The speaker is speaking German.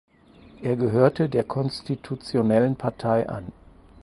Er gehörte der konstitutionellen Partei an.